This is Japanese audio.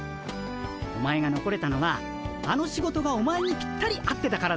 お前がのこれたのはあの仕事がお前にぴったり合ってたからだろ？